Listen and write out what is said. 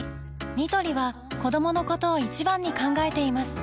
ニトリは子どものことを一番に考えています